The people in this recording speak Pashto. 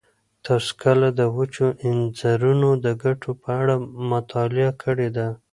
تاسو کله د وچو انځرونو د ګټو په اړه مطالعه کړې ده؟